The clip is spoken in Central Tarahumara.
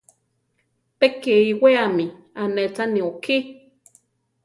Pe ke iwéami anéchani ukí.